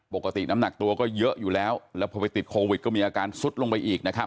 ปกติน้ำหนักตัวก็เยอะอยู่แล้วแล้วพอไปติดโควิดก็มีอาการซุดลงไปอีกนะครับ